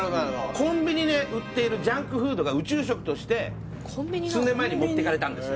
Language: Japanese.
コンビニで売っているジャンクフードが宇宙食として数年前に持っていかれたんですよ